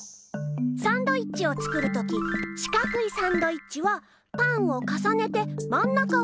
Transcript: サンドイッチを作るときしかくいサンドイッチはパンをかさねてまん中を切るでしょ？